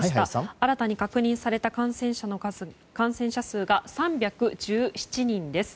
新たに確認された感染者数が３１７人です。